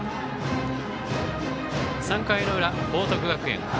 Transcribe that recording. ３回の裏、報徳学園。